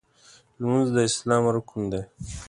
لمونځ د اسلام رکن دی.